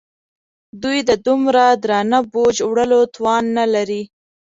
دوی د دومره درانه بوج وړلو توان نه لري.